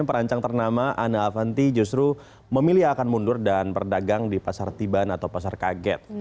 perancang ternama ana avanti justru memilih akan mundur dan berdagang di pasar tiban atau pasar kaget